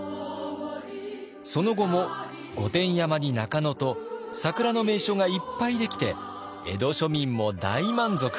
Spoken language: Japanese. その後も御殿山に中野と桜の名所がいっぱい出来て江戸庶民も大満足。